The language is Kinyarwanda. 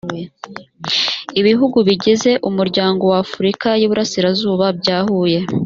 ibihugu bigize umuryango w’afurika y’iburasirazuba byahuye